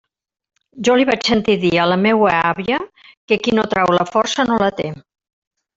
Jo li vaig sentir dir a la meua àvia que qui no trau la força no la té.